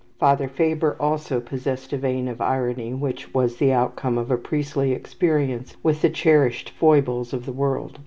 Father Faber also possessed a vein of irony which was the outcome of a priestly experience with the cherished foibles of the world.